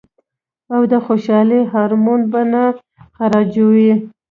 او د خوشالۍ هارمون به نۀ خارجوي -